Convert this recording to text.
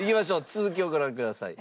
続きをご覧ください。